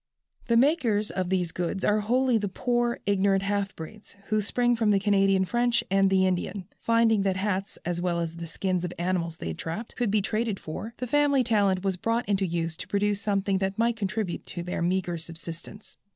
The makers of these goods are wholly the poor, ignorant half breeds, who spring from the Canadian French and the Indian. Finding that hats, as well as the skins of the animals they trapped, could be traded for, the family talent was brought into use to produce something that might contribute to their meagre subsistence.